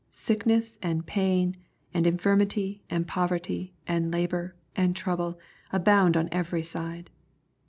Sickness, and pain, and infiimity, and poverty, and labor, and trouble, abound on every side.